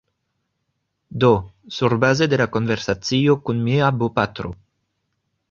Do, surbaze de la konversacio kun mia bopatro